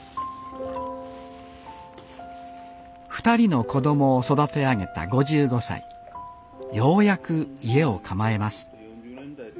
２人の子供を育てあげた５５歳ようやく家を構えます。